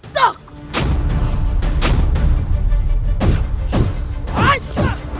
dan menangkap kake guru